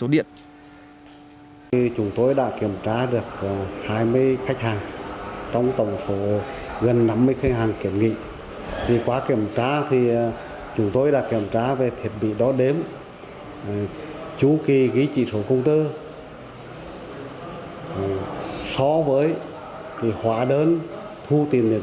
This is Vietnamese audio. đối với tổng số gần năm mươi khách hàng kiểm nghị